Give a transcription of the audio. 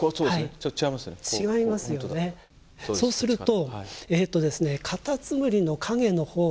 そうすると。